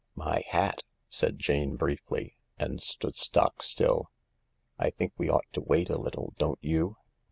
" My hat !" said Jane briefly. And stood stock still. " I think we ought to wait a little, don't you